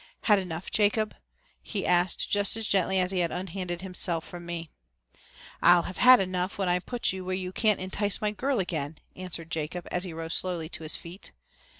"Had enough, Jacob?" he asked just as gently as he had unhanded himself from me. "I'll have had enough when I put you where you can't entice my girl again," answered Jacob as he rose slowly to his feet.